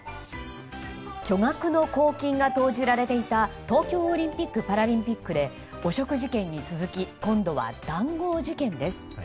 巨額の公金が投じられていた東京オリンピック・パラリンピックで汚職事件に続き今度は談合事件です。